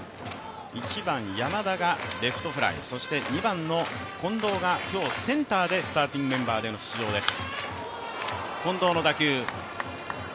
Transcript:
１番・山田がレフトフライそして２番の近藤が今日、センターでスターティングメンバーでの出場です。